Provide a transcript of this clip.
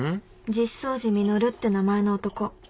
実相寺実って名前の男